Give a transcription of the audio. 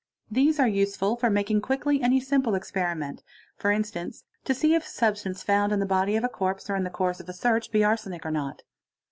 These are useful for making quickly any simple experiment, for instance to see if a substance found in the body of a corpse or in the course of a search, be arsenic or not.